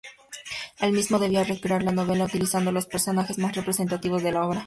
El mismo debía recrear la novela utilizando los personajes más representativos de la obra.